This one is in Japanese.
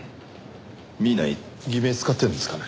南井偽名使ってるんですかね？